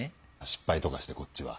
失敗とかしてこっちは。